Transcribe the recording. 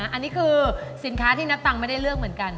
อันนี้คือสินค้าที่นับตังค์ไม่ได้เลือกเหมือนกัน